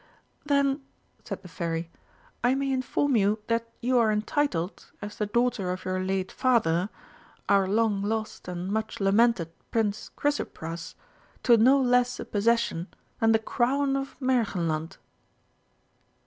"Then," said the Fairy, "I may inform you that you are entitled, as the daughter of your late Father our long lost and much lamented Prince Chrysopras to no less a possession than the Crown of Märchenland."